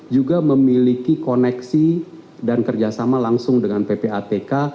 juga memiliki koneksi dan kerjasama langsung dengan ppatk